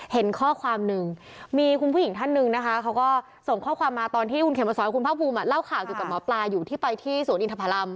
เห็นข้อความหนึ่งมีคุณผู้หญิงท่านหนึ่งนะคะเขาก็ส่งข้อความมาตอนที่คุณเขมสอนคุณภาคภูมิเล่าข่าวเกี่ยวกับหมอปลาอยู่ที่ไปที่สวนอินทพรรม